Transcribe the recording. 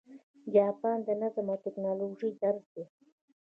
جاپان د نظم او ټکنالوژۍ درس دی.